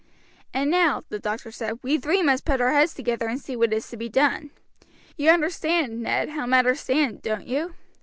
"And now," the doctor said, "we three must put our heads together and see what is to be done. You understand, Ned, how matters stand, don't you?"